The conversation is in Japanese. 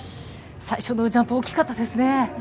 最初のジャンプ、大きかったですね。